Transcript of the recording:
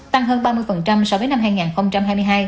tăng hơn ba mươi so với năm hai nghìn hai mươi hai